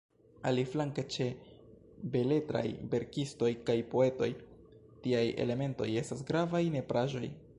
Aliflanke, ĉe beletraj verkistoj kaj poetoj, tiaj elementoj estas gravaj nepraĵoj.